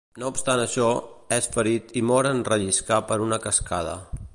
No obstant això, és ferit i mor en relliscar per una cascada.